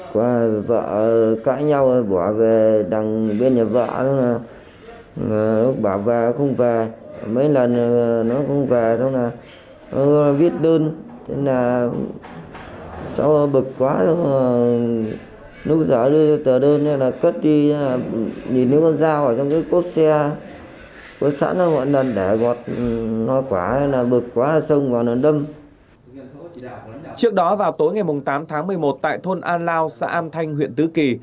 trước đó vào tối ngày tám tháng một mươi một tại thôn an lao xã an thanh huyện tứ kỳ